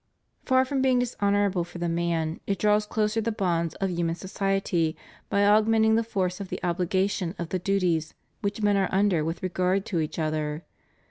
Far from being dishonorable for man it draws closer the bonds of human society by augmenting the force of the obligation of the duties which men are under with regard to each other.